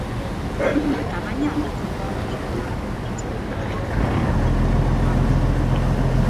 Tamaina handiko dortoka da, itsas dortoken artean handiena izanik.